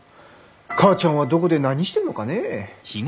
母ちゃんはどこで何してるのかねぇ？